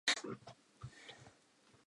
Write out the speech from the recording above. Tlotsa dibalunu tse robong ka mmala.